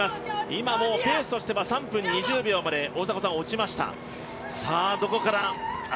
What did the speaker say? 今ペースとしては３分２０秒まで落ちました。